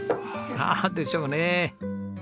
ああでしょうね。